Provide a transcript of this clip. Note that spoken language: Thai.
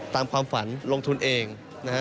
ความฝันลงทุนเองนะฮะ